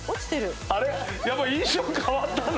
やっぱ印象変わったな。